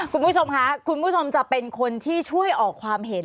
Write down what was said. คุณผู้ชมค่ะคุณผู้ชมจะเป็นคนที่ช่วยออกความเห็น